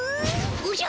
おじゃ！